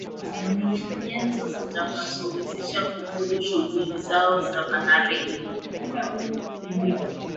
Ni nyenzo zitakazowawezesha kumudu shughuli zao za baharini